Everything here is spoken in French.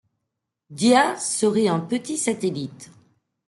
Dia serait un petit satellite.